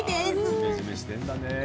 ジメジメしてるんだね。